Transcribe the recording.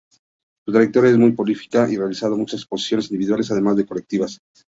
Su trayectoria es muy prolífica y ha realizado muchas exposiciones individuales, además de colectivas.